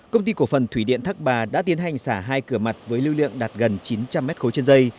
công ty cổ phần thủy điện thác bà đã tiến hành xả hai cửa mặt với lưu lượng đạt gần chín trăm linh m ba trên dây